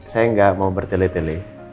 saya nggak mau bertele tele